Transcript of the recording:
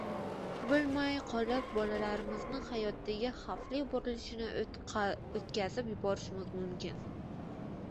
“bilmay qolib, bolalarimiz hayotidagi xavfli burilishni o‘tkazib yuborishimiz mumkin”